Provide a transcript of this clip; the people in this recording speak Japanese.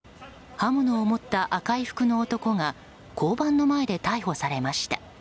刃物を持った赤い服の男が交番の前で逮捕されました。